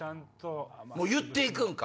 もう言って行くんか。